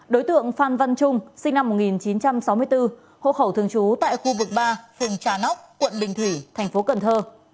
đối tượng phan văn trung sinh năm một nghìn chín trăm sáu mươi bốn hộ khẩu thường trú tại khu vực ba phường trà nóc quận bình thủy thành phố cần thơ